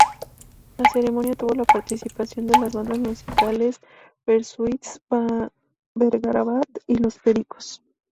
La ceremonia tuvo la participación de las bandas musicales Bersuit Vergarabat y Los Pericos.